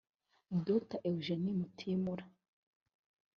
Dr Eugene Mutimura